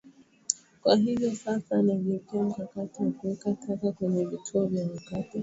Kwa hivyo sasa anageukia mkakati wa kuweka taka kwenye vituo vya watu